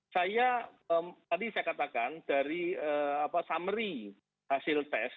saya tadi saya katakan dari summary hasil tes